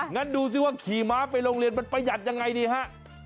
งั้นดูสิว่าขี่ม้าไปโรงเรียนมันประหยัดยังไงดีฮะ